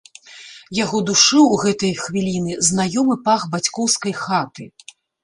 Яго душыў у гэтыя хвіліны знаёмы пах бацькоўскай хаты.